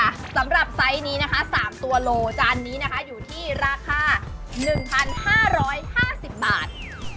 สำหรับไซส์นี้นะคะ๓ตัวโลจานนี้นะคะอยู่ที่ราคา๑๕๕๐บาท